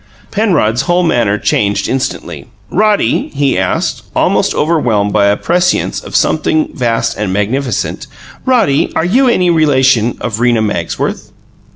Penrod's whole manner changed instantly. "Roddy," he asked, almost overwhelmed by a prescience of something vast and magnificent, "Roddy, are you any relation of Rena Magsworth?"